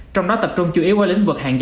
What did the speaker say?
trong đó tập trung chủ yếu ở lĩnh vực hàng giả